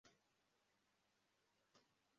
Imbwa yera nimbwa igarura umupira munzira ya kaburimbo